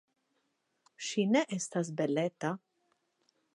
Ŝi ne estas beleta.